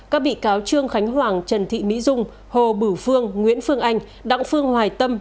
các bị cáo trương khánh hoàng trần thị mỹ dung hồ bửu phương nguyễn phương anh đặng phương hoài tâm